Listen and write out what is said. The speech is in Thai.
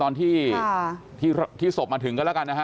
ตอนที่ศพมาถึงก็แล้วกันนะฮะ